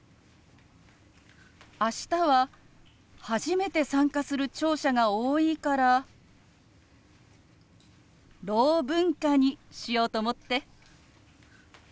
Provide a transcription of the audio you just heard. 明日は初めて参加する聴者が多いから「ろう文化」にしようと思って。